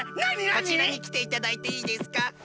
こちらにきていただいていいですか？